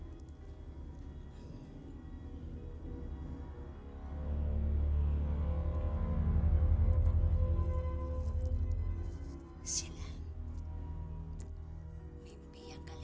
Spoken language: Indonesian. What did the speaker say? kalian pada saat itu mampu berangkat